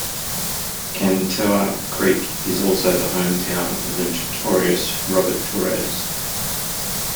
Cantua Creek is also the home town of the notorious Robert Torres.